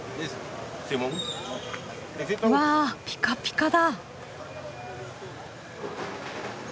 わピカピカだ！